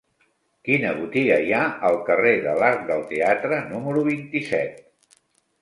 Quina botiga hi ha al carrer de l'Arc del Teatre número vint-i-set?